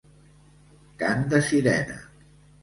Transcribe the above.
Cant de sirena.